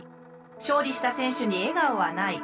勝利した選手に笑顔はない。